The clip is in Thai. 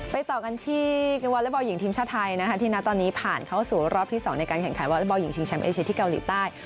ต่อกันที่วอเล็กบอลหญิงทีมชาติไทยนะคะที่นะตอนนี้ผ่านเข้าสู่รอบที่๒ในการแข่งขันวอเล็กบอลหญิงชิงแชมป์เอเชียที่เกาหลีใต้